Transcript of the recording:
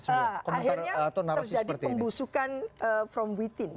akhirnya terjadi pembusukan from within